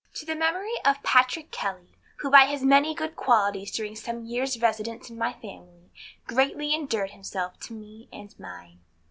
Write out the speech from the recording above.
LINES TO THE MEMORY OF PATRICK KELLEY, WHO BY HIS MANY GOOD QUALITIES DURING SOME YEARS' RESIDENCE IN MY FAMILY, GREATLY ENDEARED HIMSELF TO ME AND MINE.